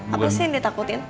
apa sih yang ditakutin